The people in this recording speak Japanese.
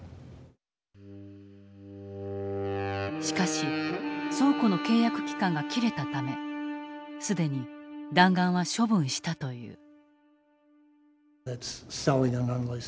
しかし倉庫の契約期間が切れたため既に弾丸は処分したという。